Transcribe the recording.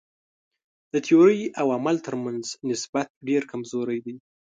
د تیورۍ او عمل تر منځ نسبت ډېر کمزوری دی.